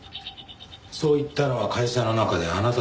そう言ったのは会社の中であなただけでした。